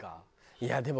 いやでも。